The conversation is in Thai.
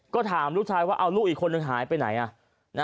ก็ถามลูกชายว่าเอาลูกอีกคนนึงหายไปไหน